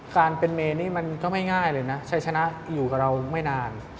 การเป็นเมนี่มันก็ไม่ง่ายเลยนะชัยชนะอยู่กับเราไม่นาน